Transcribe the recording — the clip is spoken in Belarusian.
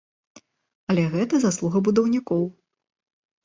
Але гэта заслуга будаўнікоў!